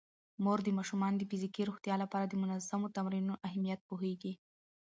مور د ماشومانو د فزیکي روغتیا لپاره د منظمو تمرینونو اهمیت پوهیږي.